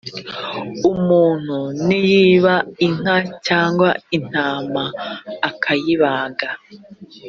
umuntu niyiba inka cyangwa intama akayibaga